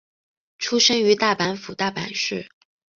出身于大阪府大阪市。